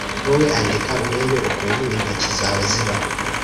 Wowe andika urebe ukuntu intoki zawe ziba